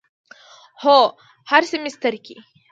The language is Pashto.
هو، هر سیمیستر کی